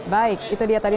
baik itu dia tadi